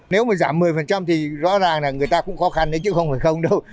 nếu mà giảm một mươi thì rõ ràng là người ta cũng khó khăn đấy chứ không phải không đâu